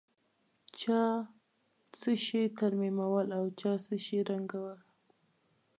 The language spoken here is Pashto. چا څه شي ترمیمول او چا څه شي ړنګول.